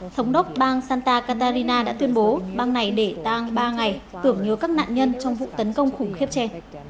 thống đốc bang santa catarina đã tuyên bố bang này để tăng ba ngày tưởng nhớ các nạn nhân trong vụ tấn công khủng khiếp che